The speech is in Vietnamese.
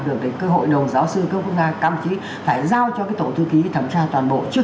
được thì cái hội đồng giáo sư cơ quốc gia các đồng chí phải giao cho cái tổ thư ký thẩm tra toàn bộ trước